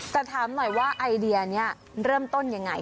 แต่ถามหน่อยว่าไอเดียนี้เริ่มต้นยังไง